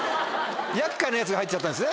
厄介なヤツが入っちゃったんですね